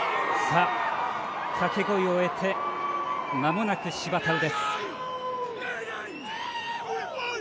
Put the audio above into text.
掛け声を終えてまもなくシバタウ。